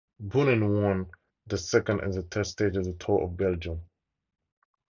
Boonen won the second and the third stages of the Tour of Belgium.